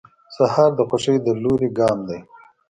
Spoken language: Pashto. سهار د خوښۍ د لوري ګام دی.